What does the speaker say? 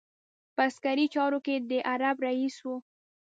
په عسکري چارو کې د حرب رئیس وو.